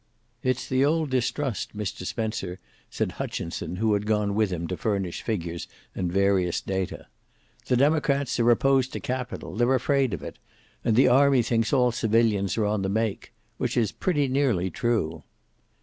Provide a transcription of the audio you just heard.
"It's the old distrust, Mr. Spencer," said Hutchinson, who had gone with him to furnish figures and various data. "The Democrats are opposed to capital. They're afraid of it. And the army thinks all civilians are on the make which is pretty nearly true."